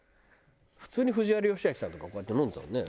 普通に藤原喜明さんとかこうやって飲んでたもんね。